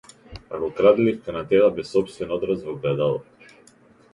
Како крадливка на тела, без сопствен одраз во огледалото.